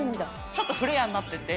ちょっとフレアになってて。